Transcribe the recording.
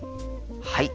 はい。